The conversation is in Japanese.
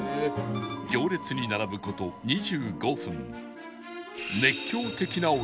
行列に並ぶ事２５分